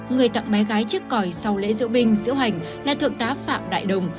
người tặng bé gái chiếc còi sau lễ diễu binh diễu hành là thượng tá phạm đại đồng